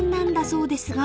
そうですね。